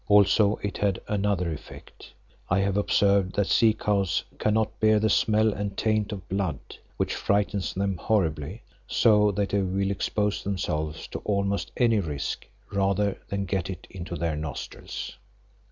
Also it had another effect. I have observed that sea cows cannot bear the smell and taint of blood, which frightens them horribly, so that they will expose themselves to almost any risk, rather than get it into their nostrils.